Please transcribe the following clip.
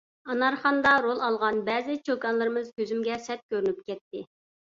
«ئانارخان»دا رول ئالغان بەزى چوكانلىرىمىز كۆزۈمگە سەت كۆرۈنۈپ كەتتى.